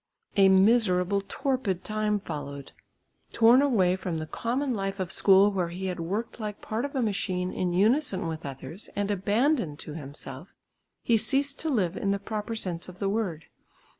A miserable torpid time followed. Tom away from the common life of school where he had worked like part of a machine in unison with others, and abandoned to himself, he ceased to live in the proper sense of the word.